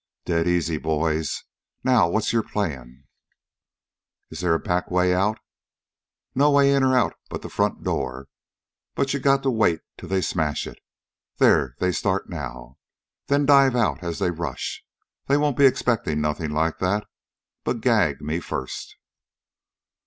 "Dead easy, boys. Now what's your plan?" "Is there a back way out?" "No way in or out but the front door. You got to wait till they smash it. There they start now! Then dive out, as they rush. They won't be expecting nothing like that. But gag me first."